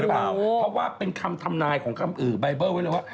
เพราะว่าเป็นคำทำนายของใบเบิ้ลก็ว่า